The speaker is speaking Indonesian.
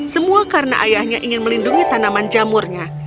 semua karena ayahnya ingin melindungi tanaman jamurnya